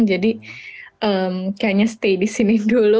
jadi kayaknya stay di sini dulu